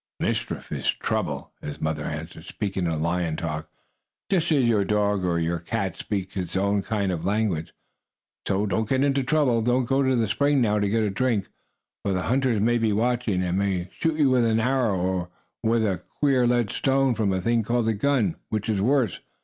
"Mischief is trouble," his mother answered, speaking in lion talk, just as your dog or your cat speaks its own kind of language. "So don't get into trouble. Don't go to the spring now to get a drink, for the hunters may be watching, and may shoot you with an arrow, or with a queer lead stone, from a thing called a gun, which is worse.